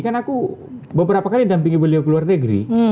kan aku beberapa kali dampingi beliau ke luar negeri